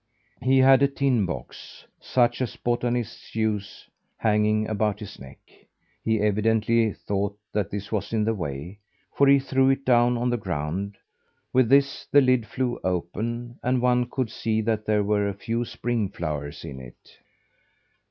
He had a tin box such as botanists use hanging about his neck. He evidently thought that this was in his way, for he threw it down on the ground. With this, the lid flew open, and one could see that there were a few spring flowers in it.